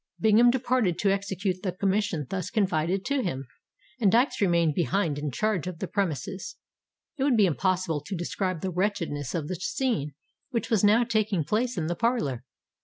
Bingham departed to execute the commission thus confided to him; and Dykes remained behind in charge of the premises. It would be impossible to describe the wretchedness of the scene which was now taking place in the parlour.